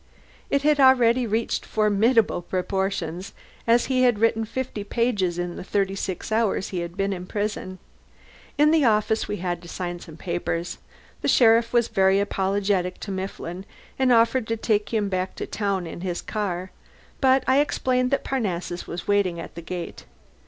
It had already reached formidable proportions, as he had written fifty pages in the thirty six hours he had been in prison. In the office we had to sign some papers. The sheriff was very apologetic to Mifflin, and offered to take him back to town in his car, but I explained that Parnassus was waiting at the gate.